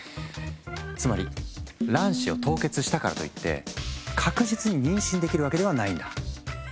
つまり卵子を凍結したからといって確実に妊娠できるわけではないんだ。